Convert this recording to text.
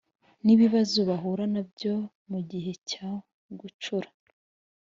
n ibibazo bahura na byo mu gihe cyo gucura.